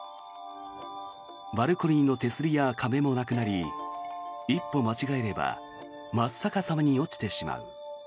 バルコニーの手すりや壁もなくなり一歩間違えれば真っ逆さまに落ちてしまう。